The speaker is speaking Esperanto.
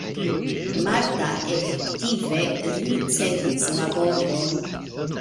Marta efektive ricevis laboron.